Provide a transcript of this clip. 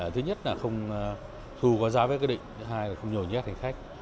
thứ nhất là không thu qua giá vé quyết định thứ hai là không nhồi nhét hành khách